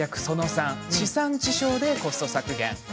その３地産地消でコスト削減。